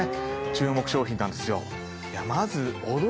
注目商品なんですよ。